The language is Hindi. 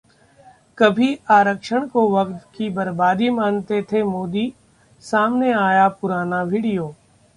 ...कभी आरक्षण को वक्त की बर्बादी मानते थे मोदी, सामने आया पुराना वीडियो